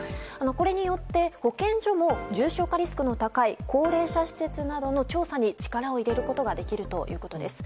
これによって、保健所も重症化リスクの高い高齢者施設などの調査に力を入れることができるということです。